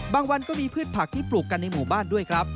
วันก็มีพืชผักที่ปลูกกันในหมู่บ้านด้วยครับ